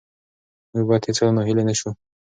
موږ باید هېڅکله ناهیلي نه سو.